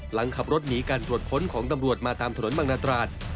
หลังขับรถหนีการตรวจค้นของตำรวจมาตามถนนบางนาตราด